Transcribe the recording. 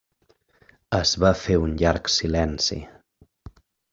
Es va fer un llarg silenci.